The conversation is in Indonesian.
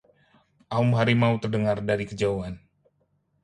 aum harimau terdengar dari kejauhan